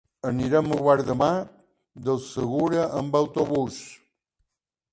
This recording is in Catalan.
Anirem a Guardamar del Segura amb autobús.